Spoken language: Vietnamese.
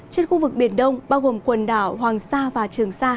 trên khu vực biển đông bao gồm quần đảo hoàng sa và trường sa